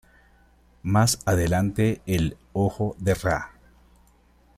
Más adelante el "Ojo de Ra".